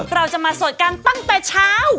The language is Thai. เราจะมาโสดกันตั้งแต่เช้า